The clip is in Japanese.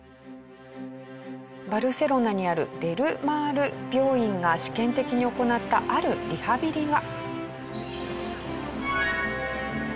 バルセロナにあるデル・マール病院が試験的に行ったあるリハビリが。